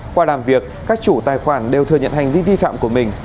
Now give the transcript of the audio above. qua làm việc các chủ tài khoản đều thừa nhận hành vi vi phạm của mình